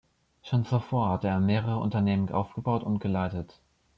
Schon zuvor hatte er mehrere Unternehmen aufgebaut und geleitet.